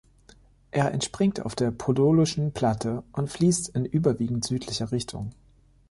Er entspringt auf der Podolischen Platte und fließt in überwiegend südlicher Richtung.